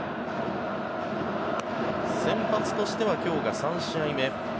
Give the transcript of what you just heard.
先発としては今日が３試合目。